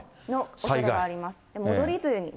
おそれがありますね。